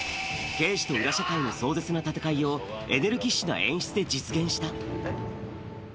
刑事と裏社会の壮絶な戦いを、エネルギッシュな演出で実現した。